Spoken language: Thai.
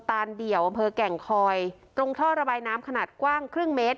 ตานเดี่ยวอำเภอแก่งคอยตรงท่อระบายน้ำขนาดกว้างครึ่งเมตร